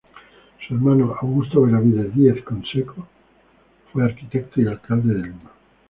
Su hermano Augusto Benavides Diez Canseco fue arquitecto y alcalde de Lima.